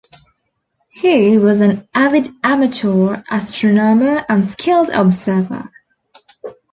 He was an avid amateur astronomer and skilled observer.